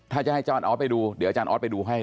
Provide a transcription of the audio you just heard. ถ้าจะให้จ้อนออสไปดูเดี๋ยวอาจารย์ออสไปดูให้